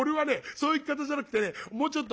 そういう聞き方じゃなくてねもうちょっと」。